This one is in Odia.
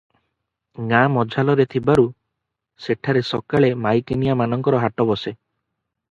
ଗାଁ ମଝାଲରେ ଥିବାରୁ ସେଠାରେ ସକାଳେ ମାଈକିନିଆ ମାନଙ୍କର ହାଟ ବସେ ।